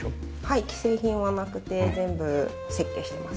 既製品はなくて全部設計してます。